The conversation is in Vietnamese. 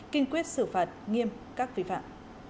kinh quyết xử phạt nghiêm các vi phạm